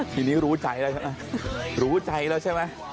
ทีนี้รู้ใจแล้วใช่ไหม